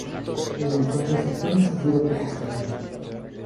Desde entonces, su historia ha sufrido pocos cambios.